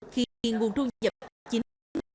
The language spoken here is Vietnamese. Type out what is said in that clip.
khi nguồn thu nhập chính